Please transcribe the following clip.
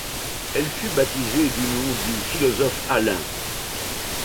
Elle fut baptisée du nom du philosophe Alain.